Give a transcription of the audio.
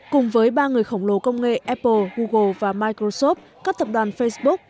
cùng với ba người khổng lồ công nghệ apple google và microsoft các tập đoàn facebook